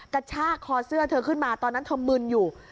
กระชากคอเสื้อเธอขึ้นมาตอนนั้นเธอมึนอยู่